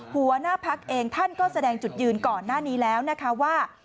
หัวหน้าพักเองท่านก็แสดงจุดยืนก่อนหน้านี้แล้วนะคะว่า